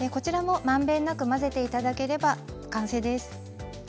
こちらもまんべんなく混ぜていただければ完成です。